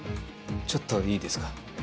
ちょっといいですか？